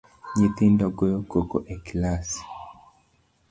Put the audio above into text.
Nyithindo goyo koko e kilas